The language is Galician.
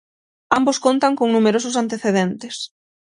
Ambos contan con numerosos antecedentes.